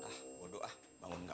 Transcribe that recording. ini ada yang banyak kan